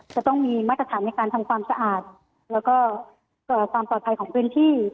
จะต้องมีมาตรฐานในการทำความสะอาดแล้วก็ความปลอดภัยของพื้นที่